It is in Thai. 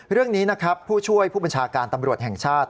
เรื่องนี้นะครับผู้ช่วยผู้บัญชาการตำรวจแห่งชาติ